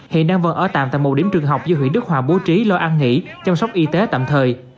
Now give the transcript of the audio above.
hiện đang vẫn ở tạm tại một điểm trường học do huyện đức hòa bố trí lo ăn nghỉ chăm sóc y tế tạm thời